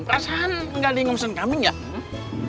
perasaan gak di ngomongin kambing gak